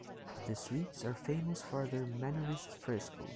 The suites are famous for their Mannerist frescoes.